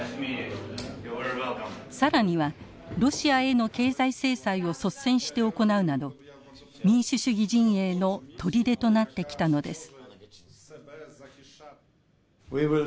更にはロシアへの経済制裁を率先して行うなど民主主義陣営の砦となってきたのです。